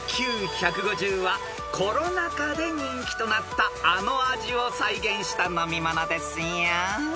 ［ＩＱ１５０はコロナ禍で人気となったあの味を再現した飲み物ですよ］